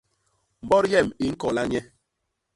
Mbot yem i ñkola nye.